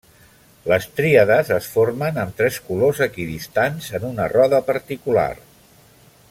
Les tríades es formen amb tres colors equidistants en una roda particular.